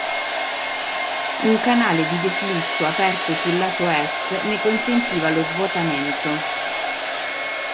Un canale di deflusso aperto sul lato est ne consentiva lo svuotamento.